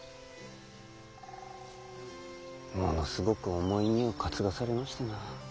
ものすごく重い荷を担がされましてな。